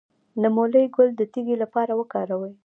د مولی ګل د تیږې لپاره وکاروئ